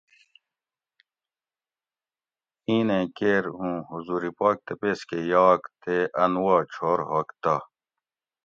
اِینیں کیر اُوں حضور پاک تپیس کٞہ یاگ تے اٞن وا چھور ہوگتہ